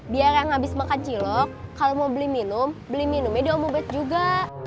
biar yang habis makan cilok kalau mau beli minum beli minumnya diomogot juga